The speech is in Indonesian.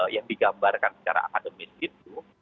yang digambarkan secara akademis itu